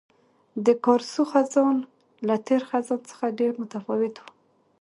د کارسو خزان له تېر خزان څخه ډېر متفاوت وو.